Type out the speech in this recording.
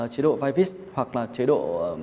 chế độ vivis hoặc là chế độ